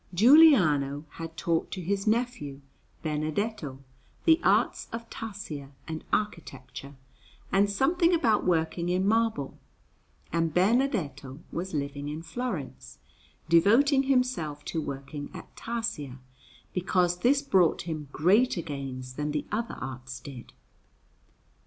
Giuliano had taught to his nephew Benedetto the arts of tarsia and architecture, and something about working in marble; and Benedetto was living in Florence, devoting himself to working at tarsia, because this brought him greater gains than the other arts did.